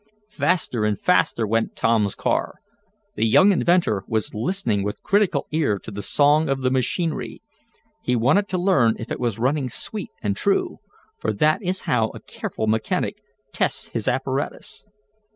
Faster and faster went Tom's car. The young inventor was listening with critical ear to the song of the machinery. He wanted to learn if it was running sweet and true, for that is how a careful mechanic tests his apparatus.